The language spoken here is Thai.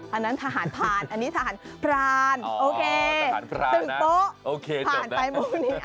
อันนั้นทหารพรานอันนี้ทหารพรานตึกโต๊ะผ่านไปมุกนี้